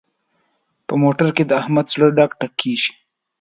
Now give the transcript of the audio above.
په موټر کې د احمد زړه ډک ډک کېږي.